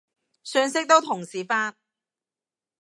信息都同時發